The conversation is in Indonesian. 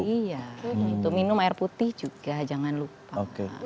iya gitu minum air putih juga jangan lupa